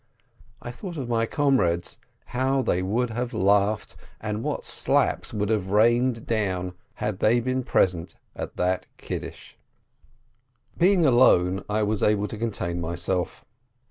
I thought of my comrades, how they would have laughed, what slaps would have rained down, had they been present at that Kiddush. Being alone, I was able to contain myself.